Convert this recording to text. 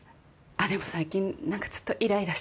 でも最近何かちょっとイライラしてて。